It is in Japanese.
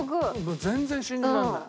全然信じられない。